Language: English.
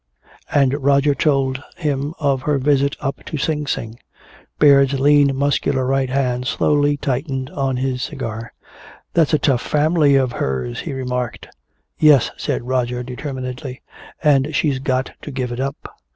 And Roger told him of her visit up to Sing Sing. Baird's lean muscular right hand slowly tightened on his chair. "That's a tough family of hers," he remarked. "Yes," said Roger determinedly, "and she's got to give it up."